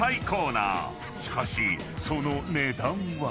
［しかしその値段は］